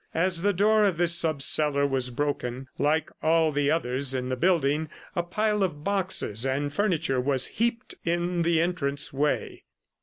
As the door of this sub cellar was broken, like all the others in the building, a pile of boxes and furniture was heaped in the entrance way.